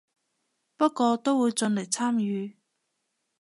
不過都會盡力參與